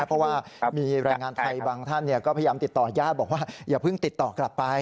เพราะว่ามีแรงงานไทยบางท่านก็พยายามติดต่อญาติบอกว่าอย่าเพิ่งติดต่อกลับไป